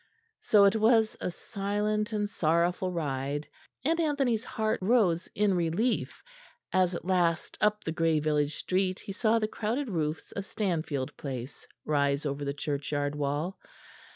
So it was a silent and sorrowful ride; and Anthony's heart rose in relief as at last up the grey village street he saw the crowded roofs of Stanfield Place rise over the churchyard wall.